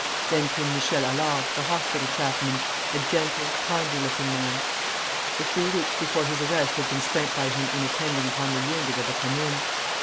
Then came Michel Allard, the hospital chaplain, a gentle, kindly looking man. The three weeks before his arrest had been spent by him in attending upon the wounded of the Commune.